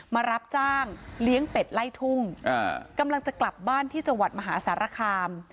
มารับจ้างเลี้ยงเป็ดไล่ทุ่งกำลังจะกลับบ้านที่จังหวัดมหาสารคาม